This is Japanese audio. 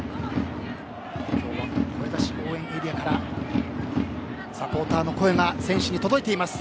今日は声出し応援エリアからサポーターの声が選手に届いています。